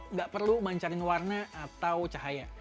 nggak perlu mancarin warna atau cahaya